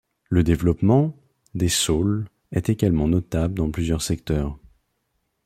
Le développement des saules est également notable dans plusieurs secteurs.